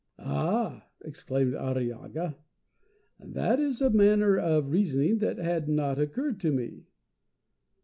"Ah!" exclaimed Arrillaga. "That is a manner of reasoning that had not occurred to me."